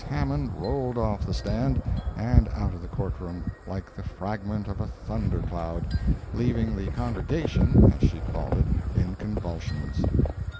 Hammond rolled off the stand, and out of the Court room, like the fragment of a thunder cloud, leaving the "congregation," as she called it, in convulsions.